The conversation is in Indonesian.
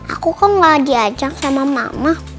aku kan ga lagi ajak sama mama